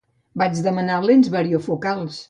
Vaig demanar lents variofocals.